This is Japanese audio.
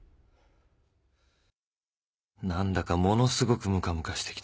何だかものすごくムカムカしてきた。